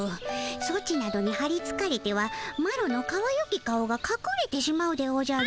ソチなどにはりつかれてはマロのかわゆき顔がかくれてしまうでおじゃる。